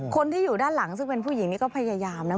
คนที่อยู่ด้านหลังซึ่งเป็นผู้หญิงนี่ก็พยายามนะ